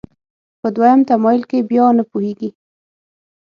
په دویم تمایل کې بیا نه پوهېږي.